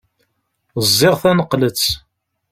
Ẓẓiɣ taneqlet.